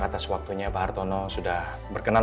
atas waktunya pak hartono sudah berkenan